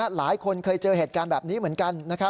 หลายคนเคยเจอเหตุการณ์แบบนี้เหมือนกัน